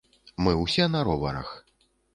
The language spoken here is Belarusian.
Мы ўсе на роварах.